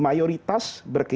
banyak yang berpikir